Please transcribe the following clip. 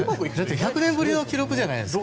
１００年ぶりの記録じゃないですか。